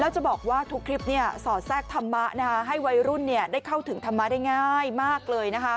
แล้วจะบอกว่าทุกคลิปสอดแทรกธรรมะให้วัยรุ่นได้เข้าถึงธรรมะได้ง่ายมากเลยนะคะ